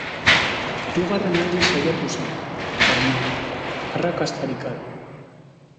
Hirugarren aldiz saiatu zen, baina arrakastarik gabe.